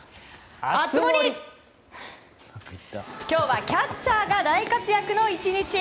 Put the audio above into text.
今日はキャッチャーが大活躍の１日。